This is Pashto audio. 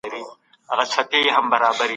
ایا د ګلابو د اوبو استعمال د مخ پوستکی تازه ساتي؟